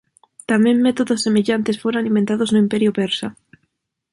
Tamén métodos semellantes foran inventados no Imperio Persa.